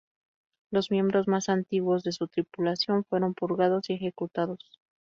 Los miembros más antiguos de su tripulación fueron purgados y ejecutados.